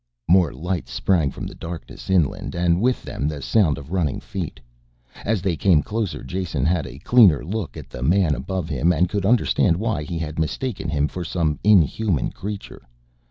_" More lights sprang from the darkness inland and with them the sound of running feet. As they came closer Jason had a clearer look at the man above him and could understand why he had mistaken him for some inhuman creature.